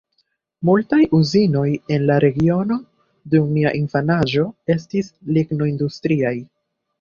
Multaj uzinoj en la regiono dum mia infanaĝo estis lignoindustriaj.